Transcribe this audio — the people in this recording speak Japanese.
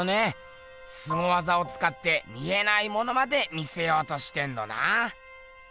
すご技をつかって見えないものまで見せようとしてんのな。